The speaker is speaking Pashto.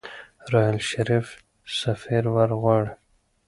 راحیل شريف سفير ورغواړي.